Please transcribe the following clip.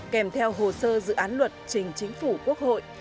kèm theo hồ sơ dự án luật trình chính phủ quốc hội